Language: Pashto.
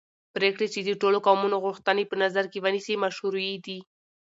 پرېکړې چې د ټولو قومونو غوښتنې په نظر کې ونیسي مشروعې دي